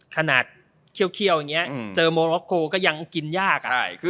ขนาดเคี่ยวอย่างนี้เจอโมร็อกโกก็ยังกินยาก